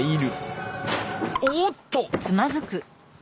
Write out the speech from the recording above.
おっと！